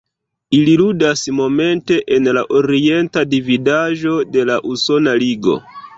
Ili ludas momente en la Orienta Dividaĵo de la Usona Ligo.